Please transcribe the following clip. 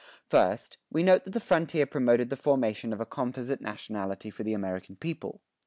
First, we note that the frontier promoted the formation of a composite nationality for the American people.